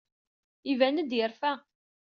Iban-d yerfa.